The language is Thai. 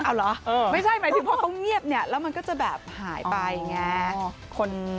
เอาเหรอไม่ใช่หมายถึงพอเขาเงียบเนี่ยแล้วมันก็จะแบบหายไปไง